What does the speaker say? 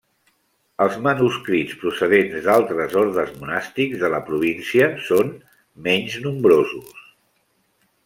Els manuscrits procedents d'altres ordes monàstics de la província són menys nombrosos.